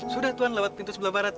sudah tuhan lewat pintu sebelah barat